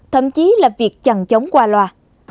thậm chí là việc chằn chóng qua loa